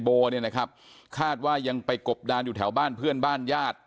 โบเนี่ยนะครับคาดว่ายังไปกบดานอยู่แถวบ้านเพื่อนบ้านญาติ